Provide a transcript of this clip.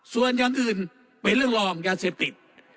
ส่วนอย่างอื่นเป็นเรื่องรองยาเสพติด